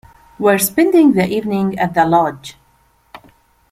We're spending the evening at the lodge.